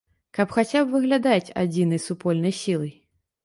Каб хаця б выглядаць адзінай супольнай сілай.